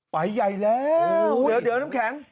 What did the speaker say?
ไปใหญ่แล้วเดี๋ยวน้ำแข็ง